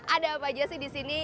ada apa aja sih di sini